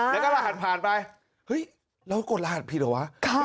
แล้วก็รหัสผ่านไปเฮ้ยเรากดรหัสผิดเหรอวะ